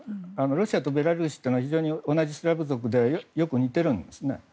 ロシアとベラルーシは非常に同じスラブ族でよく似てるんですね。